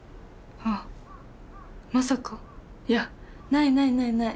あまさかいやないないないない！